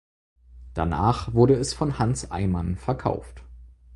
Danach wurde es von Hans Eymann verkauft.